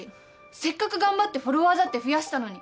せっかく頑張ってフォロワーだって増やしたのに。